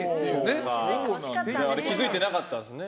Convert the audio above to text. でも気づいてなかったんですね。